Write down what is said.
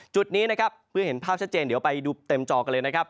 จุดนี้เพื่อเห็นภาพชัดเจนเดี๋ยวไปดูเต็มจอกันเลย